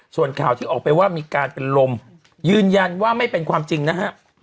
ส่วนข่าวที่ออกไปว่ามีการเป็นลมยืนยันว่าไม่เป็นความจริงนะฮะ